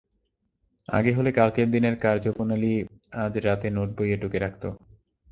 আগে হলে কালকের দিনের কার্যপ্রণালী আজ রাত্রে নোটবইয়ে টুকে রাখত।